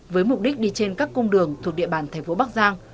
với mục đích đi trên các cung đường thuộc địa bàn thành phố bắc giang